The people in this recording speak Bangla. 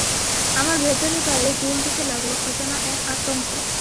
আমার ভেতরে-বাইরে দোল দিতে লাগল অজানা এক আতঙ্ক।